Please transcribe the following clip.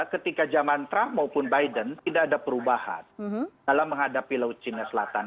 ketika zaman trump maupun biden tidak ada perubahan dalam menghadapi laut cina selatan